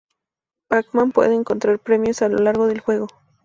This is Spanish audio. Pac-Man puede encontrar premios a lo largo del juego.